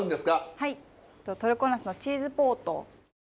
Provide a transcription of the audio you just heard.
はいトルコナスのチーズボート。